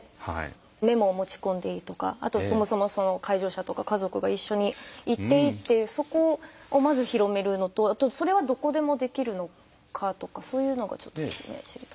メモを持ち込んでいいとかあとそもそもその介助者とか家族が一緒に行っていいっていうそこをまず広めるのとあとそれはどこでもできるのかとかそういうのがちょっとね知りたい。